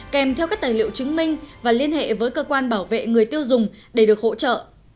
kèm theo các tài liệu chứng minh và liên hệ với cơ quan bảo vệ người tiêu dùng để được hỗ trợ